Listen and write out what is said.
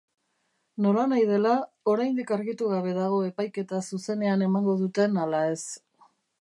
Nolanahi dela, oraindik argitu gabe dago epaiketa zuzenean emango duten ala ez.